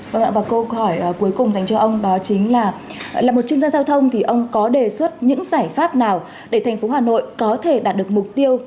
vâng ạ và câu hỏi cuối cùng dành cho ông đó chính là một chuyên gia giao thông thì ông có đề xuất những giải pháp nào để thành phố hà nội có thể đạt được mục tiêu